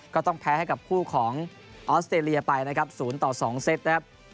ก็ต้องแพ้ให้กับคู่ของออสเตรเลียไปนะครับ๐ต่อ๒เซตนะครับ